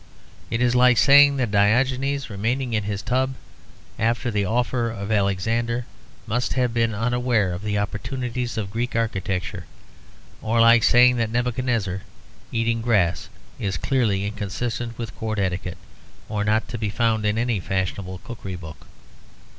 It is like saying that Diogenes, remaining in his tub after the offer of Alexander, must have been unaware of the opportunities of Greek architecture; or like saying that Nebuchadnezzar eating grass is clearly inconsistent with court etiquette, or not to be found in any fashionable cookery book.